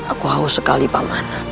aku haus sekali paman